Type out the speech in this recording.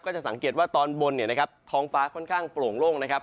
จะสังเกตว่าตอนบนเนี่ยนะครับท้องฟ้าค่อนข้างโปร่งโล่งนะครับ